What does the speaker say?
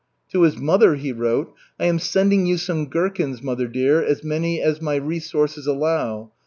To his mother he wrote: "I am sending you some gherkins, mother dear, as many as my resources allow.